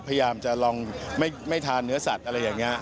พยายามจะลองไม่ทานเนื้อสัตว์อะไรอย่างนี้